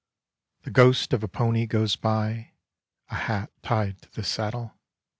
The ghost of a pony goes by, A hat tied to the saddle.